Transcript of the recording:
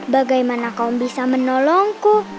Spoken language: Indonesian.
bagaimana kamu bisa menolongku